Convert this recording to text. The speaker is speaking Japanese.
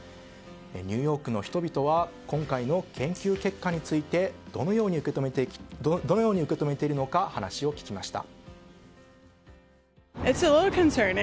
ニューヨークの人々は今回の研究結果についてどのように受け止めているのか話を聞きました。